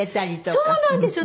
そうなんですよ。